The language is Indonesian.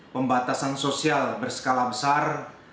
pembatasan sosial berskala besar